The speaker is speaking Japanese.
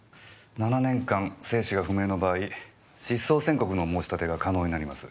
７年間生死が不明の場合失踪宣告の申し立てが可能になります。